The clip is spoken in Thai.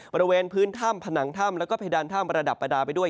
บริเวณพื้นถ้ำผนังถ้ำแล้วก็เพดานถ้ำประดับประดาษไปด้วย